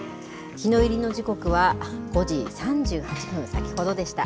日の入りの時刻は５時３８分、先ほどでした。